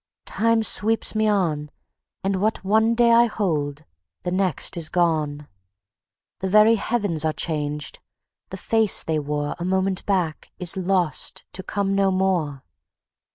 Time sweeps me on, And what one day I hold, the next is gone; The very Heavens are changed! the face they wore,A moment back, is lost to come no more.